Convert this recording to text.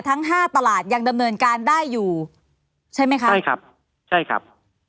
ทั้งห้าตลาดยังดำเนินการได้อยู่ใช่ไหมคะใช่ครับใช่ครับ